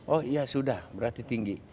oh iya sudah berarti tinggi